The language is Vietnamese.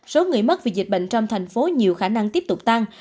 số người mất vì dịch bệnh trong thành phố nhiều khả năng tiếp tục tăng